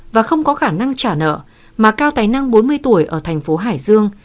và không có khả năng trả nợ mà cao tài năng bốn mươi tuổi ở thành phố hải dương